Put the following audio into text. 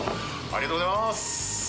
ありがとうございます。